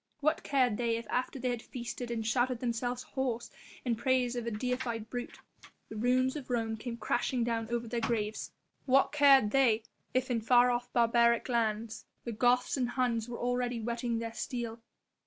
What cared they if after they had feasted and shouted themselves hoarse in praise of a deified brute, the ruins of Rome came crashing down over their graves? What cared they if in far off barbaric lands the Goths and Huns were already whetting their steel.